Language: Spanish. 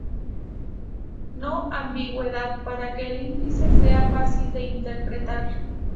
No ambigüedad para que el índice sea fácil de interpretar.